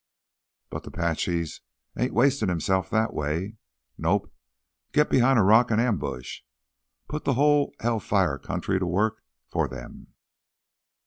But th' 'Pache ain't wastin' hisself that way. Nope—git behind a rock an' ambush ... put th' whole hell fired country t' work fur them.